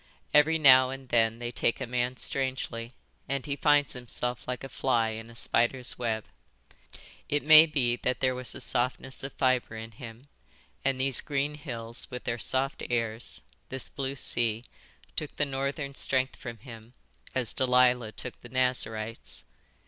Every now and then they take a man strangely, and he finds himself like a fly in a spider's web. It may be that there was a softness of fibre in him, and these green hills with their soft airs, this blue sea, took the northern strength from him as Delilah took the Nazarite's.